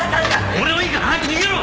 俺はいいから早く逃げろ！